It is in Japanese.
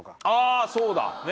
あそうだ。